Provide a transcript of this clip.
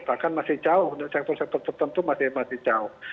bahkan masih jauh untuk sektor sektor tertentu masih jauh